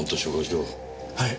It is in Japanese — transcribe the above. はい。